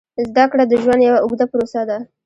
زده کړه د ژوند یوه اوږده پروسه ده.